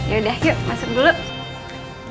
ya udah yuk masuk dulu